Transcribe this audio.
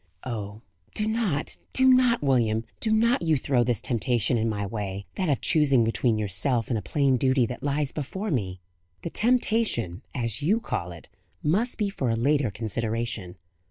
"Oh, do not, do not! William, do not you throw this temptation in my way that of choosing between yourself and a plain duty that lies before me." "The temptation, as you call it, must be for a later consideration.